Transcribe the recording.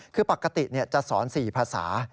คือปกติจะสอน๔ภาษา